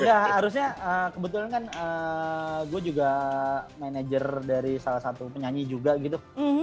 enggak harusnya kebetulan kan gue juga manajer dari salah satu penyanyi juga gitu